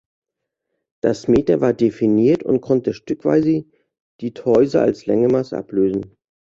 Das Meter war definiert und konnte stückweise die Toise als Längenmaß ablösen.